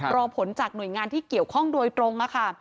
รอผลจากหน่วยงานที่เกี่ยวข้องโดยตรง